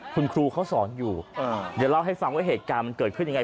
คุณครูเขาสอนอยู่เดี๋ยวเล่าให้ฟังว่าเหตุการณ์มันเกิดขึ้นยังไง